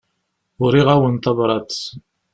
Uriɣ-awen tabrat.